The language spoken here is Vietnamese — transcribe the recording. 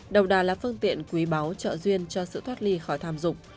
đồng đà là phương tiện quý báu trợ duyên cho sự thoát ly khỏi tham dục